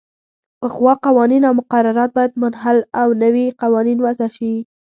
پخوا قوانین او مقررات باید منحل او نوي قوانین وضعه شي.